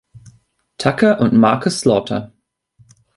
Tucker und Marcus Slaughter.